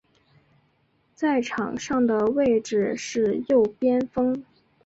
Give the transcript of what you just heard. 在场上的位置是右边锋。